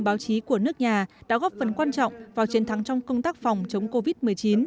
báo chí của nước nhà đã góp phần quan trọng vào chiến thắng trong công tác phòng chống covid một mươi chín